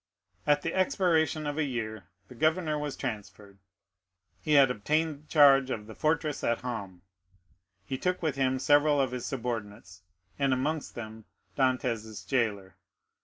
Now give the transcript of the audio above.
At the expiration of a year the governor was transferred; he had obtained charge of the fortress at Ham. He took with him several of his subordinates, and amongst them Dantès' jailer.